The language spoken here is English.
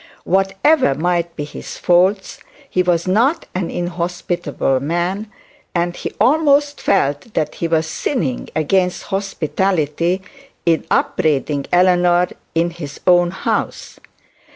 Whatever might be his faults he was not an inhospitable man, and he almost felt that he was sinning against hospitality in upbraiding Eleanor in his own house.